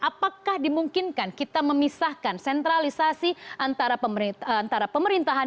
apakah dimungkinkan kita memisahkan sentralisasi antara pemerintahan